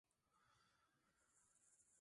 Su primer presidente fue Juan Martínez Espinosa.